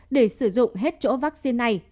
để sử dụng hết chỗ vaccine này